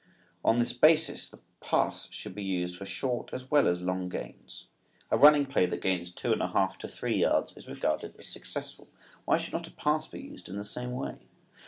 On this basis the pass should be used for short as well as long gains. A running play that gains two and a half to three yards is regarded as successful. Why should not the pass be used in the same way?